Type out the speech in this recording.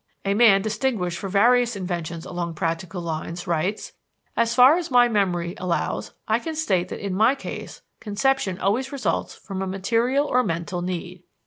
A man distinguished for various inventions along practical lines, writes: "As far as my memory allows, I can state that in my case conception always results from a material or mental need.